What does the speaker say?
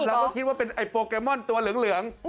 แล้วก็คิดว่าเป็นไอ้โปรแกรมอนตัวเหลือง